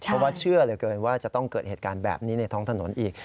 เพราะว่าเชื่อเหลือเกินว่าจะต้องเกิดเหตุการณ์แบบนี้ในท้องถนนอีก